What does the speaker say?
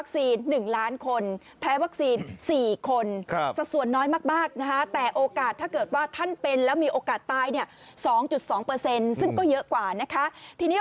สักส่วนน้อยมากแต่โอกาสถ้าเกิดว่าท่านเป็นแล้วมีโอกาสตายเนี่ย๒๒ซึ่งก็เยอะกว่าทิศทีนี้